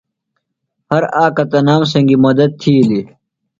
ہر آکہ تنام سنگیۡ مدت تِھیلیۡ۔